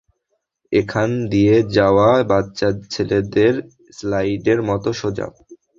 এখান দিয়ে যাওয়া বাচ্চাছেলেদের স্লাইডের মতো সোজা।